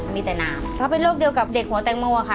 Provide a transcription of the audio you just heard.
มีแต่น้ำเขาเป็นโรคเดียวกับเด็กหัวแตงโมค่ะ